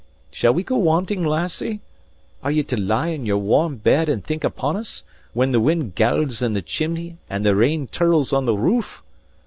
Shall we go wanting, lassie? Are ye to lie in your warm bed and think upon us, when the wind gowls in the chimney and the rain tirls on the roof?